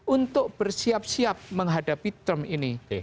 untuk bersiap siap menghadapi term ini